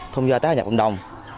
thông gia tác nhập vận động